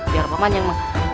biar paman yang